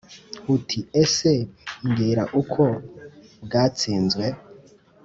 uti: ese mbwira uko bwatsinzwe ?